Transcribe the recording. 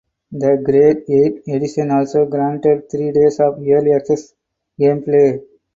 The Great Eight Edition also granted three days of early access gameplay.